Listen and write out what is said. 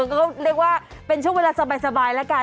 ก็เรียกว่าเป็นช่วงเวลาสบายแล้วกัน